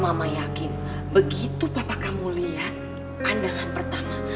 mama yakin begitu papa kamu lihat pandangan pertama